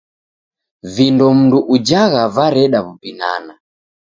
Vindo mndu ujagha vareda w'ubinana.